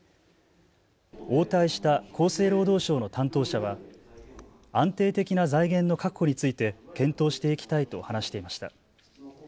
応対した厚生労働省の担当者は安定的な財源の確保について検討していきたいと話していました。